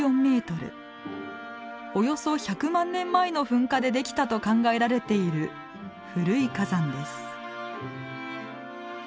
およそ１００万年前の噴火でできたと考えられている古い火山です。